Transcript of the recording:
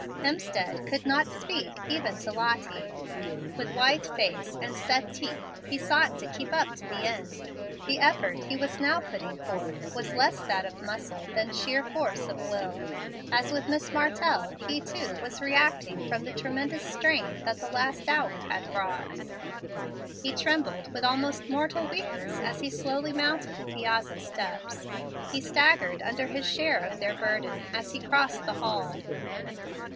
Hemstead could not speak, even to Lottie. With white face and set teeth he sought to keep up to the end. The effort he was now putting forth was less that of muscle than sheer force of will. As with Miss Martell, he, too, was reacting from the tremendous strain that the last hour had brought. He trembled with almost mortal weakness as he slowly mounted the piazza steps. He staggered under his share of their burden as he crossed the hall.